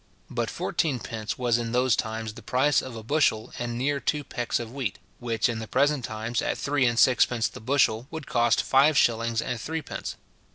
But fourteen pence was in those times the price of a bushel and near two pecks of wheat; which in the present times, at three and sixpence the bushel, would cost five shillings and threepence.